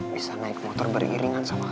bisa naik motor beriringan sama